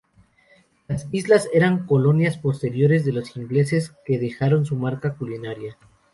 Las islas eran colonias posteriores de los ingleses, que dejaron su marca culinaria.